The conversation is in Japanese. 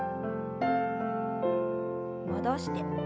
戻して。